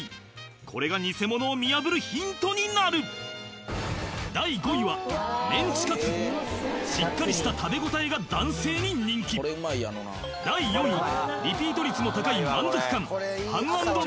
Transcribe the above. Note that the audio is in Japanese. これがニセモノを見破るヒントになる第５位はメンチカツしっかりした食べ応えが男性に人気第４位はリピート率も高い満足感